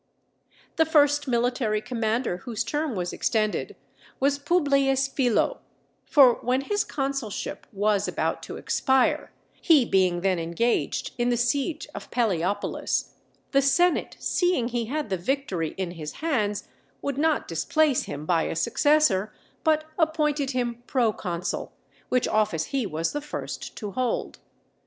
The first military commander whose term was extended, was Publius Philo; for when his consulship was about to expire, he being then engaged in the siege of Palæopolis, the senate, seeing he had the victory in his hands, would not displace him by a successor, but appointed him Proconsul, which office he was the first to hold.